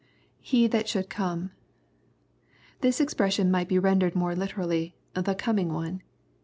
[He that shotiM come.] This expression might be rendered more literally, the coming One."